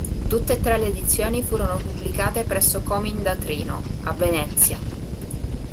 Tutte e tre le edizioni furono pubblicate presso Comin da Trino, a Venezia.